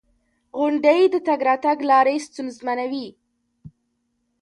• غونډۍ د تګ راتګ لارې ستونزمنوي.